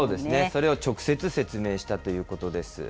それを直接、説明したということです。